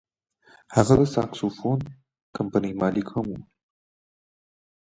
هغه د ساکسوفون کمپنیو مالک هم و.